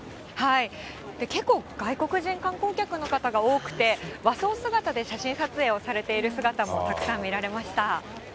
結構、外国人観光客の方が多くて、和装姿で写真撮影をされている姿もたくさん見られました。